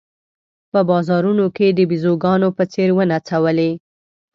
په بازارونو کې د بېزوګانو په څېر ونڅولې.